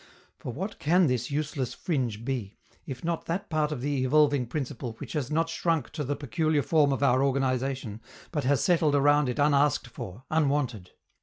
For what can this useless fringe be, if not that part of the evolving principle which has not shrunk to the peculiar form of our organization, but has settled around it unasked for, unwanted?